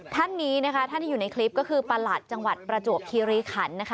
ท่านนี้นะคะท่านที่อยู่ในคลิปก็คือประหลัดจังหวัดประจวบคีรีขันนะคะ